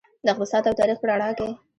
د اقتصاد او تاریخ په رڼا کې.